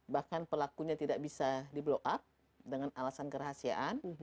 bahkan pelakunya tidak bisa di blow up dengan alasan kerahasiaan